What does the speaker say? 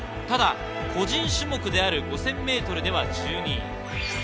ただ個人種目である５０００ｍでは１２位。